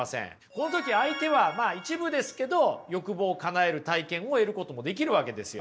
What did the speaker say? この時相手は一部ですけど欲望をかなえる体験を得ることもできるわけですよ。